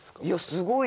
すごい。